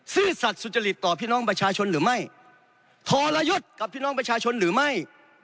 ซื่อสัตว์สุจริตต่อพี่น้องประชาชนหรือไม่ทรยศกับพี่น้องประชาชนหรือไม่